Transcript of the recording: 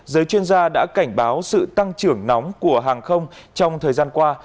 giới chuyên gia đã cảnh báo sự tăng trưởng nóng của hàng không trong thời gian qua